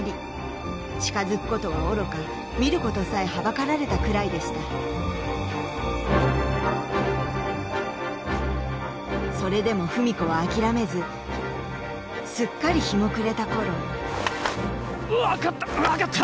近づくことはおろか見ることさえはばかられたくらいでしたそれでも文子は諦めずすっかり日も暮れた頃分かった分かった。